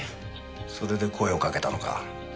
それで声をかけたのか。